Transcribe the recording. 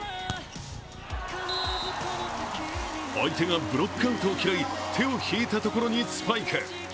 相手がブロックアウトを嫌い、手を引いたところにスパイク。